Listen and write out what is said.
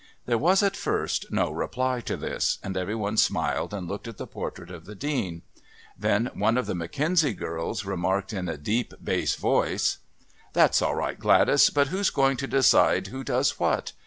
There was at first no reply to this and every one smiled and looked at the portrait of the Dean. Then one of the McKenzie girls remarked in a deep bass voice: "That's all right, Gladys. But who's going to decide who does what?